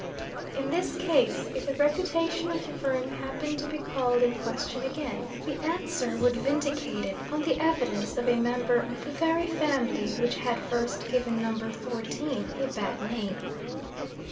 In this case, if the reputation of the room happened to be called in question again, the answer would vindicate it, on the evidence of a member of the very family which had first given Number Fourteen a bad name.